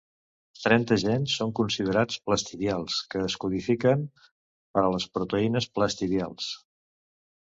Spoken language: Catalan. Trenta gens són considerats "plastidials", que es codifiquen per a les proteïnes plastidials.